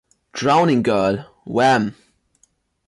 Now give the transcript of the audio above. „Drowning Girl“, „Whaam!